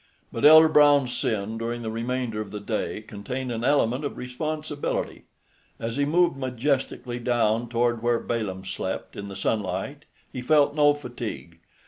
But Elder Brown's sin during the remainder of the day contained an element of responsibility. As he moved majestically down toward where Balaam slept in the sunlight, he felt no fatigue.